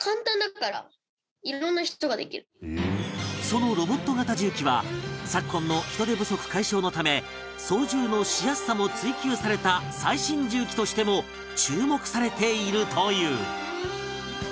そのロボット型重機は昨今の人手不足解消のため操縦のしやすさも追求された最新重機としても注目されているという